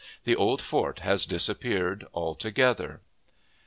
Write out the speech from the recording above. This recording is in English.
The old fort has disappeared altogether.